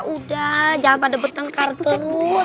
udah jangan pada bertengkar telur